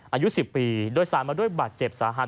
อายุ๑๐ปีโดยสารมาด้วยบาดเจ็บสาหัส